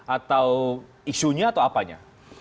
atau isunya atau apanya